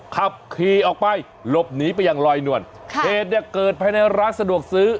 ขับขี่ออกไปหลบหนีไปอย่างลอยนวลค่ะเหตุเนี่ยเกิดภายในร้านสะดวกซื้อ